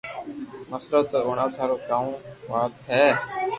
مسلو تو ھڻاو ٿارو ڪو ڪاو وات ھي